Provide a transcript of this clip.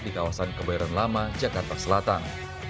di kawasan kebayoran lama jakarta selatan